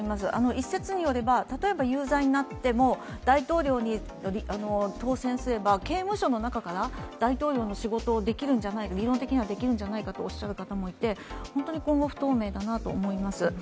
一説によれば例えば有罪になっても大統領に当選すれば刑務所の中から大統領の仕事を理論的にはできるとおっしゃる方もいて本当に今後不透明だなと思います。